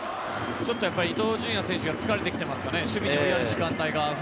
ちょっと伊東純也選手が疲れてきていますからね。